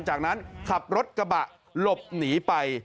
จากนั้นขับรถกระบะหลบหนีไป